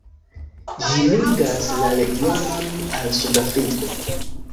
Ĝi ligas la regionon al suda Afriko.